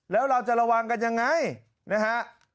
แล้วเราจะระวังกันยังไงนะฮะ